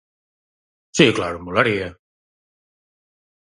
Si, claro, molaría.